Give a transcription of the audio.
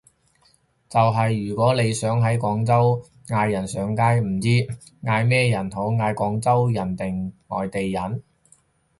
就係如果你想喺廣州嗌人上街，唔知嗌咩人好，嗌廣州人定外地人？